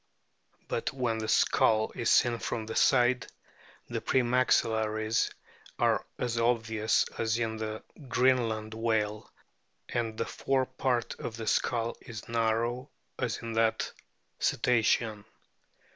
But when the skull is seen from the side, the pre maxillaries are as obvious as in the Greenland whale, and the fore part of the skull is narrow as in that cetacean.